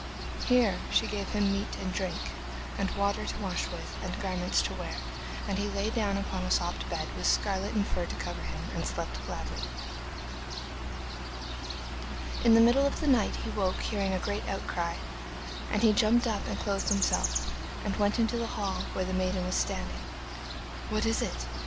Here she gave him meat and drink, and water to wash with and garments to wear, and he lay down upon a soft bed, with scarlet and fur to cover him, and slept gladly. In the middle of the night he woke hearing a great outcry, and he jumped up and clothed himself and went into the hall, where the maiden was standing. 'What is it?